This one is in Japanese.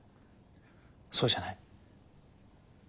そうじゃない。